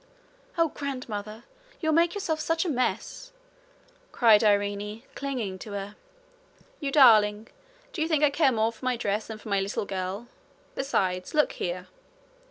'Oh, grandmother! You'll make yourself such a mess!' cried Irene, clinging to her. 'You darling! do you think I care more for my dress than for my little girl? Besides look here.'